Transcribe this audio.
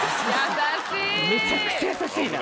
めちゃくちゃ優しいな！